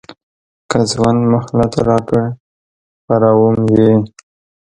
که ژوند مهلت راکړ خپروم یې.